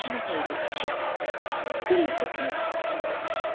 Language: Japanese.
ゆっくり呼吸して。